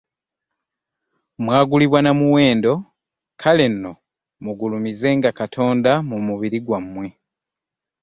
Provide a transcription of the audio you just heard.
Mwagulibwa na muwendo, kale nno mugulumizenga Katonda mu mubiri gwammwe.